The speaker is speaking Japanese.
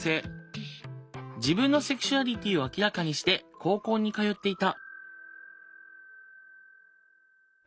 自分のセクシュアリティーを明らかにして高校に通っていた。